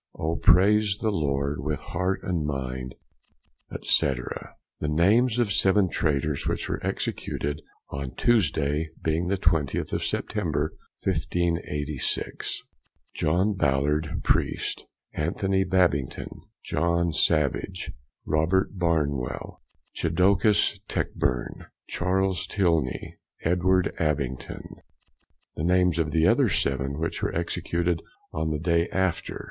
O praise the Lord with hart & minde, &c. The names of 7 Traitors which were executed on Tuesday, being the xx of September, 1586. John Ballard Preest. Anthony Babington. John Savage. Robert Barnwell. Chodicus Techburne. Charles Tilney. Edward Abbington. The names of the other vii which were executed on the next day after.